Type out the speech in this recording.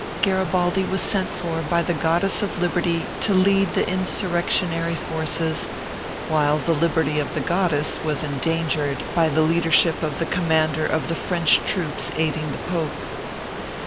Garibaldi was sent for by the Goddess of Liberty to lead the insurrectionary forces, while the liberty of the goddess was endangered by the leadership of the commander of the French troops aiding the Pope.